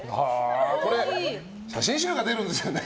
写真集が出るんですよね。